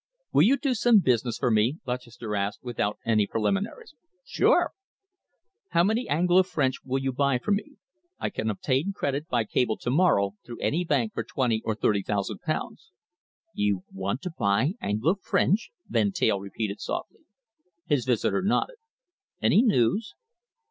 "Will you do some business for me?" Lutchester asked, without any preliminaries. "Sure!" "How many Anglo French will you buy for me? I can obtain credit by cable to morrow through any bank for twenty or thirty thousand pounds." "You want to buy Anglo French?" Van Teyl repeated softly. His visitor nodded. "Any news?"